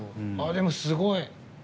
でもすごい！